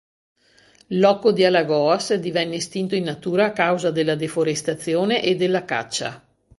L'hocco di Alagoas divenne estinto in natura a causa della deforestazione e della caccia.